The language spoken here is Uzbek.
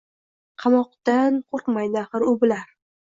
Qamoqdan qoʻrqmaydi, axir u bilar: